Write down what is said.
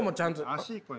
足これ。